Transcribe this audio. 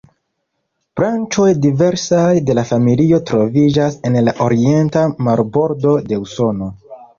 Branĉoj diversaj de la familio troviĝas en la Orienta marbordo de Usono.